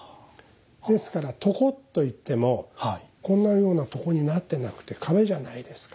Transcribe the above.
ですから床といってもこんなような床になってなくて壁じゃないですか。